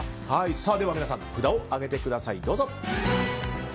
では、皆さん札を上げてください。